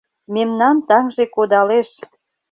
Мемнан таҥже кодалеш.